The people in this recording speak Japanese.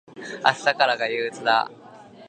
明日からが憂鬱だ。